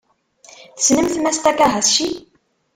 Tessnemt Mass Takahashi?